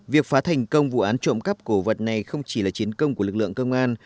việc phá thành công vụ án trộm cắp cổ vật này không chỉ là chiến công của lực lượng công an